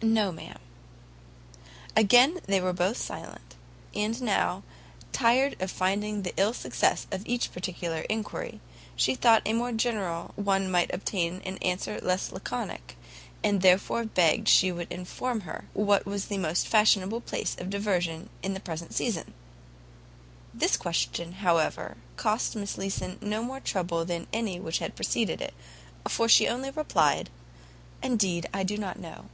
"No, ma'am." Again they were both silent. And now, tired of finding the ill success of each particular enquiry, she thought a more general one might obtain an answer less laconic, and therefore begged she would inform her what was the most fashionable place of diversion for the present season? This question, however, cost Miss Leeson no more trouble than any which had preceded it, for she only replied, "Indeed I don't know."